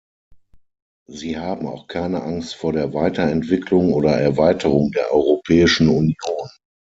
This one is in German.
Sie haben auch keine Angst vor der Weiterentwicklung oder Erweiterung der Europäischen Union.